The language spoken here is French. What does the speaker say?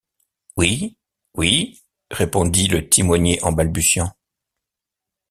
Oui... oui ... répondit le timonier en balbutiant.